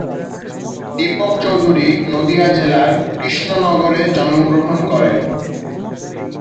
দীপক চৌধুরী নদীয়া জেলার কৃষ্ণনগরে জন্মগ্রহন করেন।